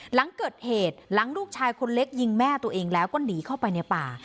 หลังเกิดเหตุหลังลูกชายคนเล็กยิงแม่ตัวเองแล้วก็หนีเข้าไปในป่า